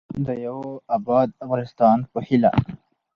د یوه اباد افغانستان په هیله.